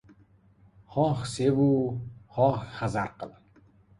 Xohi sevu, xohi hazar qil